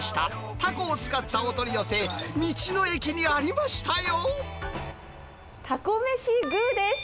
タコを使ったお取り寄せ、道の駅にありましたよ。